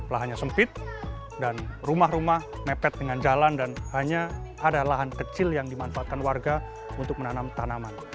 lahannya sempit dan rumah rumah mepet dengan jalan dan hanya ada lahan kecil yang dimanfaatkan warga untuk menanam tanaman